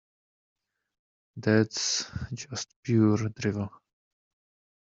That's just pure drivel!